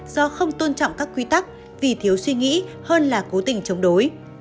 do không tôn trọng các quy tắc vì thiếu suy nghĩ hơn là cố tình chống đối